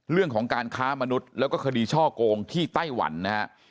เรื่องของการค้ามนุษย์แล้วก็คดีช่อโกงที่ไต้หวันนะฮะ